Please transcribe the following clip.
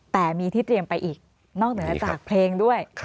แต่มีที่เตรียมไปอีกนอกเหนือจากเพลงด้วย